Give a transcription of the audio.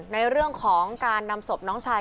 ในเรื่องของการนำศพน้องชาย